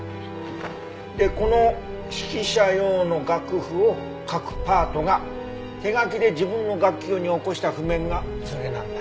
でこの指揮者用の楽譜を各パートが手書きで自分の楽器用に起こした譜面がそれなんだ。